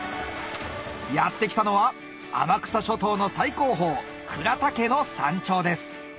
やって来たのは天草諸島の最高峰の山頂です